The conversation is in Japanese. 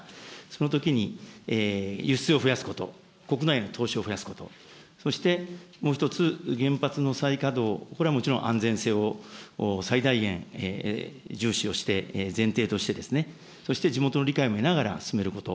そのときに、輸出を増やすこと、国内の投資を増やすこと、そして、もう一つ、原発の再稼働、これはもちろん、安全性を最大限重視をして、前提として、そして地元の理解も得ながら進めること。